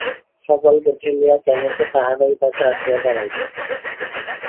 সকলকে ঠেলিয়া কেন সে তাহারই পাশে আসিয়া দাঁড়াইল!